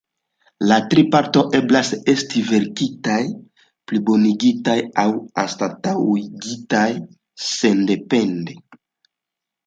La tri partoj eblas esti verkitaj, plibonigitaj aŭ anstataŭigitaj sendepende.